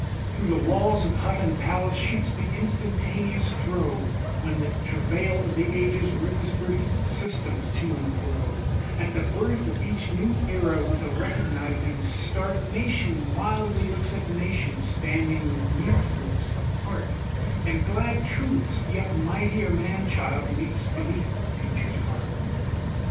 Through the walls of hut and palace shoots the instantaneous throe, When the travail of the Ages wrings earth's systems to and fro; At the birth of each new Era, with a recognizing start, Nation wildly looks at nation, standing with mute lips apart, And glad Truth's yet mightier man child leaps beneath the Future's heart.